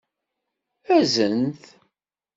Azen-t!